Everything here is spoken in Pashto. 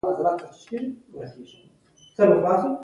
پښتانه انسانیت ته سړيتوب وايي، سړی یعنی انسان